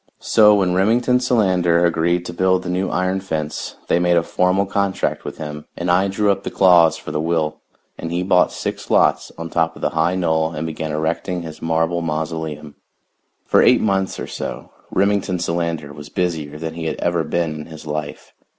So when Remington Solander agreed to build the new iron fence they made a formal contract with him, and I drew up the clause for the will, and he bought six lots on top of the high knoll and began erecting his marble mausoleum. For eight months or so Remington Solander was busier than he had ever been in his life.